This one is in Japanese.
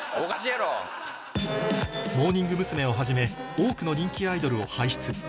モーニング娘。をはじめ多くの人気アイドルを輩出